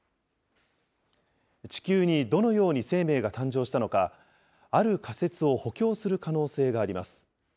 地球にどのように生命が誕生したのか、ある仮説を補強する可能性があります。